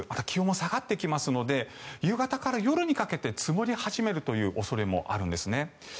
気温も下がってきますので夕方から夜にかけて積もり始めるという恐れもあるんですね。